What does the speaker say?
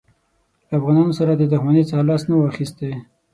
له افغانانو سره د دښمنۍ څخه لاس نه وو اخیستی.